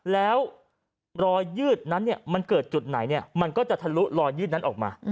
แล้วรอยยืดนั้นมันเกิดจุดไหนมันก็จะทะลุรอยยืดนั้นออกมา